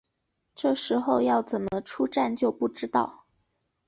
到时候要怎么出站就不知道